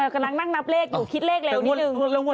ก็นั่งนับเลขอยู่คิดเลขเร็วนิดหนึ่ง